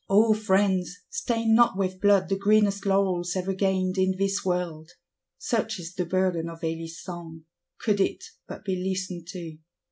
O Friends, stain not with blood the greenest laurels ever gained in this world: such is the burden of Elie's song; could it but be listened to.